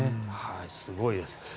すごいです。